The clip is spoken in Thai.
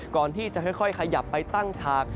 ก่อนที่จะค่อยขยับไปตั้งฉาก